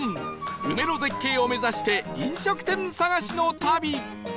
梅の絶景を目指して飲食店探しの旅